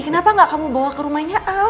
kenapa gak kamu bawa ke rumahnya